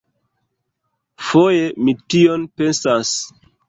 Foje mi tion pensas.